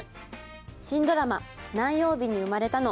新ドラマ「何曜日に生まれたの」